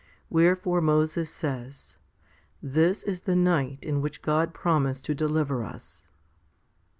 Wherefore Moses says, This is the night in which God promised to deliver us.